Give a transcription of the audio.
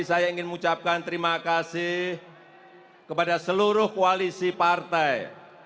saya ingin mengucapkan terima kasih kepada seluruh koalisi partai